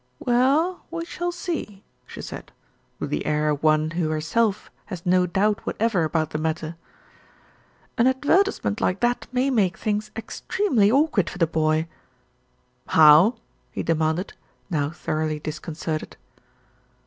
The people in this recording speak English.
"Well, we shall see," she said, with the air of one who herself has no doubt whatever about the matter. "An advertisement like that may make things ex tremely awkward for the boy." "How?" he demanded, now thoroughly discon certed.